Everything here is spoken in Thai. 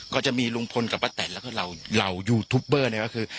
ก็จะมีลุงพลกับป้าแตนแล้วก็เหล่ายูทูปเบอร์เนี่ยก็คือ